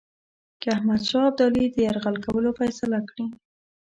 که احمدشاه ابدالي د یرغل کولو فیصله کړې.